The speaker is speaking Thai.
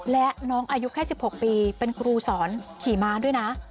และน้องอายุแค่๑๖ปีเป็นครูสอนขี่ม้าด้วยนะ